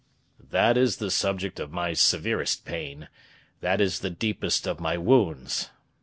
"That is the subject of my severest pain; that is the deepest of my wounds.